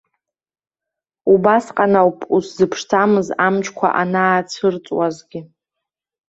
Убасҟан ауп уззыԥшӡамыз амчқәа анаацәрҵуазгьы.